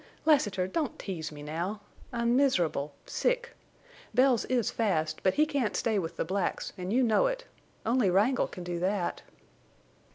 "Lassiter, don't tease me now. I'm miserable—sick. Bells is fast, but he can't stay with the blacks, and you know it. Only Wrangle can do that."